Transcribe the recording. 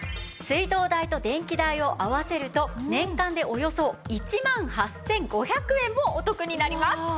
水道代と電気代を合わせると年間でおよそ１万８５００円もお得になります。